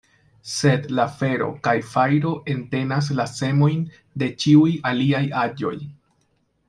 Sed la fero kaj fajro entenas la semojn de ĉiuj aliaj aĵoj.